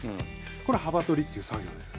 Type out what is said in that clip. これは幅取りという作業です。